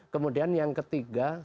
kemudian yang ketiga soal